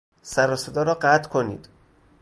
سر و صدا را قطع کنید!